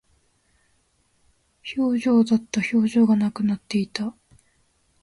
表情だった。表情がなくなっていた。